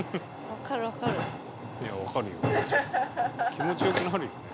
気持ちよくなるよね。